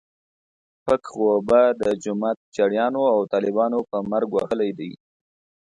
پک غوبه د جومات چړیانو او طالبانو په مرګ وهلی دی.